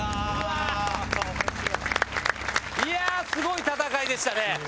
いやあすごい戦いでしたね。